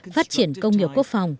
phát triển công nghiệp quốc phòng